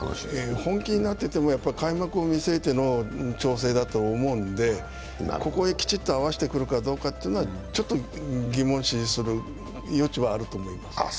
本気になってても開幕を見据えての調整だと思うんでここへきちっと合わせてくるかどうかというのは、ちょっと疑問視する余地はあると思います。